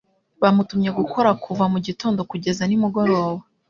Bamutumye gukora kuva mugitondo kugeza nimugoroba.